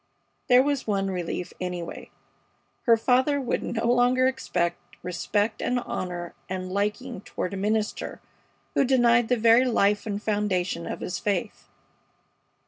There was one relief, anyway. Her father would no longer expect respect and honor and liking toward a minister who denied the very life and foundation of his faith.